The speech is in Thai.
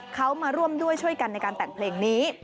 เขามาร่วมด้วยช่วยกันในการแต่งเพลงนี้